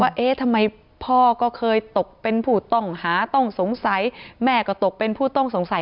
เอ๊ะทำไมพ่อก็เคยตกเป็นผู้ต้องหาต้องสงสัยแม่ก็ตกเป็นผู้ต้องสงสัย